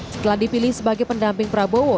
setelah dipilih sebagai pendamping prabowo